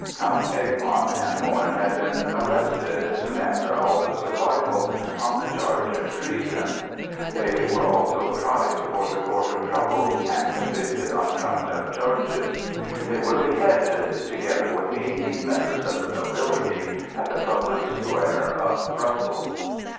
Counts Egmont and Hoorn had been arrested, soon after Alva's arrival, on the charge of treason; they were also tried before the Court of Troubles and convicted on trumped up charges. They were beheaded, together with eighteen members of the nobility, at the public square of Brussels.